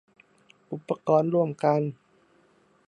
อุปกรณ์ร่วมกัน